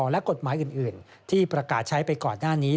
และกฎหมายอื่นที่ประกาศใช้ไปก่อนหน้านี้